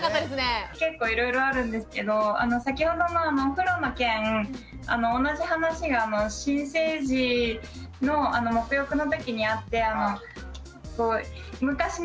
結構いろいろあるんですけど先ほどのお風呂の件同じ話が新生児のもく浴のときにあって。